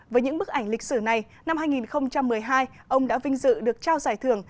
với những bức ảnh lịch sử này năm hai nghìn một mươi hai ông đã vinh dự được trao giải thưởng